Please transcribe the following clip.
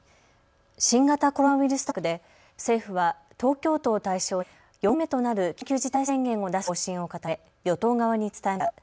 新型コロナウイルス対策で政府は東京都を対象に４回目となる緊急事態宣言を出す方針を固め、与党側に伝えました。